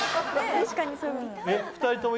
確かに。